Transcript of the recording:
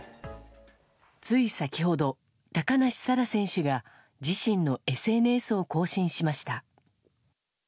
つい先ほど、高梨沙羅選手が自身のＳＮＳを更新しました。